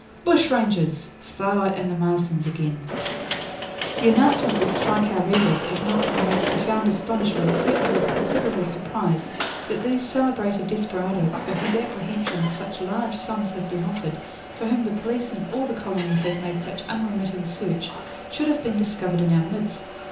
'BUSH RANGERS! 'STARLIGHT AND THE MARSTONS AGAIN. 'The announcement will strike our readers, if not with the most profound astonishment, certainly with considerable surprise, that these celebrated desperadoes, for whose apprehension such large sums have been offered, for whom the police in all the colonies have made such unremitting search, should have been discovered in our midst.